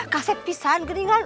kasih pisang keringan